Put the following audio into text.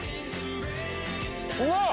うわっ！